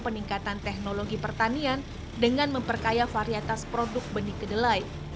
peningkatan teknologi pertanian dengan memperkaya varietas produk benih kedelai